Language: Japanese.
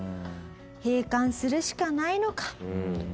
「閉館するしかないのか」。